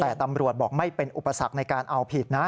แต่ตำรวจบอกไม่เป็นอุปสรรคในการเอาผิดนะ